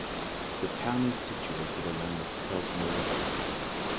The town is situated along the Prosna river.